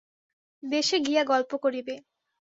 দেশে গিয়া গল্প করিবে।